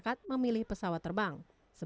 jadi memberatkan gak sih